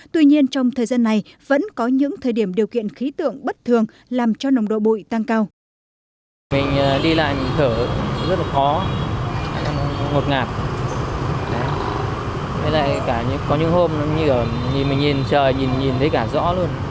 tuy nhiên trong thời gian này vẫn có những thời điểm điều kiện khí tượng bất thường làm cho nồng độ bụi tăng cao